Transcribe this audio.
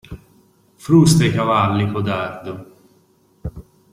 Frusta i cavalli, codardo.